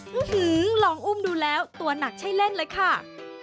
ลองอุ้มดูแล้วตัวหนักใช่เล่นเลยค่ะ